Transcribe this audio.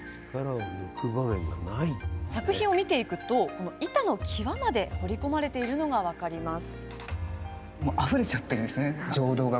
作品を見ていくと、板の際まで彫り込まれているのが分かります。